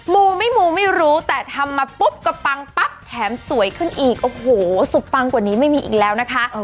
มูไม่มูไม่รู้แต่ทำมาปุ๊บกระปังปั๊บแถมสวยขึ้นอีกโอ้โหสุดปังกว่านี้ไม่มีอีกแล้วนะคะ